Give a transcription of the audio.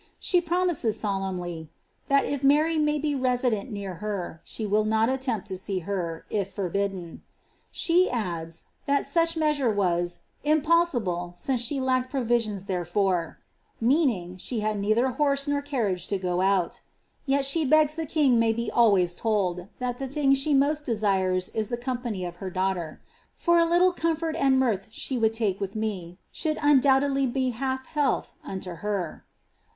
She promises solemnly. ^^ that if Mary may be resident near her, she will not attempt to see her, if forbidden." Sfie adds, that such measure was ^^ impossible, since she lacked provision therefor ;" meaning, she had neither horse nor carriafe to go out. Tet she begs the king may be always told, that the thing she most desires is the company of her daughter ;^^ for a little comfort and mirth she would take with me should undoubtedly be a half health unto her.'